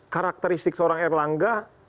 karakteristik seorang erlangga